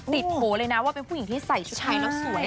โผล่เลยนะว่าเป็นผู้หญิงที่ใส่ชุดไทยแล้วสวย